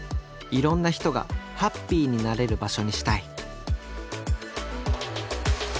いろんな人がハッピーになれる場所にしたい！